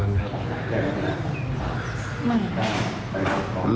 ไม่ครับ